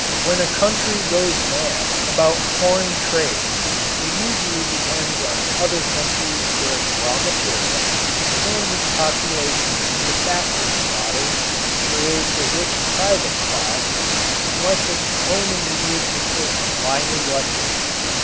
When a country goes mad about foreign trade it usually depends on other countries for its raw material, turns its population into factory fodder, creates a private rich class, and lets its own immediate interest lie neglected.